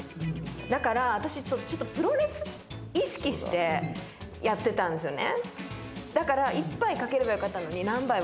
だから私、プロレスを意識してやってたんですよね。